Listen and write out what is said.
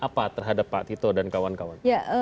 apa terhadap patito dan kawan kawan